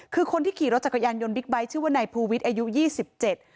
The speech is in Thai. คือคนที่ขี่รถจักรยานยนต์บิ๊กไบท์ชื่อว่านายภูวิทย์อายุยี่สิบเจ็ด